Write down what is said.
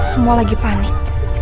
semua lagi panik